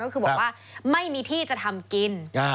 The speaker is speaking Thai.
ก็คือบอกว่าไม่มีที่จะทำกิน